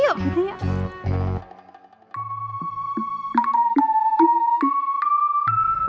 tidak ada apa apa